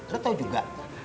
lo tau juga